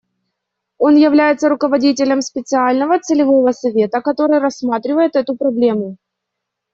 Он является руководителем специального целевого совета, который рассматривает эту проблему.